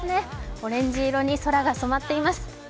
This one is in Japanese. オレンジ色に空が染まっています。